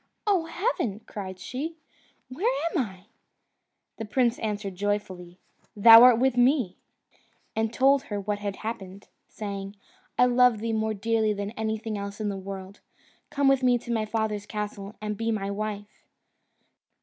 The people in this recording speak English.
"Oh, heaven!" cried she, "where am I?" The prince answered joyfully, "Thou art with me," and told her what had happened, saying, "I love thee more dearly than anything else in the world. Come with me to my father's castle, and be my wife."